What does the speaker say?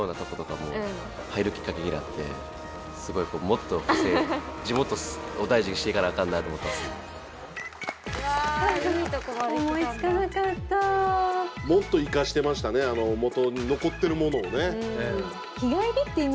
もっと生かしてましたねあの残ってるものをね。